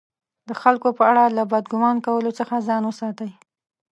د خلکو په اړه له بد ګمان کولو څخه ځان وساتئ!